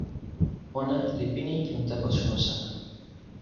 ona li pini lon tenpo suno sama.